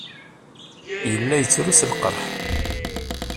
Yella yettru seg lqerḥ.